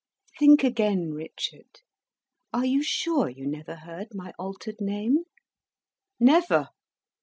"Think again, Richard. Are you sure you never heard my altered name?" "Never!"